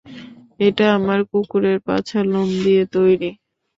এটা আমার কুকুরের পাছার লোম দিয়ে তৈরি।